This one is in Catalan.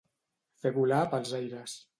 Fer volar pels aires.